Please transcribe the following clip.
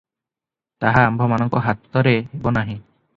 ତାହା ଆମ୍ଭମାନଙ୍କ ହାତରେ ହେବ ନାହିଁ ।